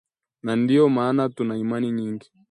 na ndio maana tuna imani nyingi